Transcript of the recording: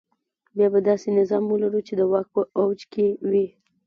بیا به داسې نظام ولرو چې د واک په اوج کې وي.